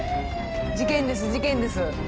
事件です事件です。